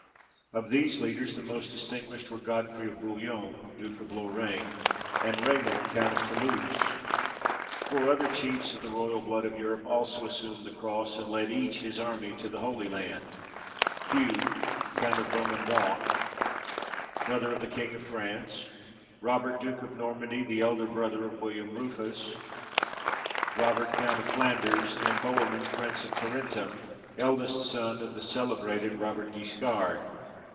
Of these leaders the most distinguished were Godfrey of Bouillon duke of Lorraine, and Raymond count of Toulouse. Four other chiefs of the royal blood of Europe also assumed the cross, and led each his army to the Holy Land; Hugh count of Vermandois, brother of the king of France; Robert duke of Normandy, the elder brother of William Rufus; Robert count of Flanders, and Bohemund prince of Tarentum, eldest son of the celebrated Robert Guiscard.